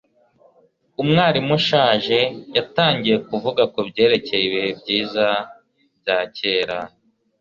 umwarimu ushaje yatangiye kuvuga kubyerekeye ibihe byiza bya kera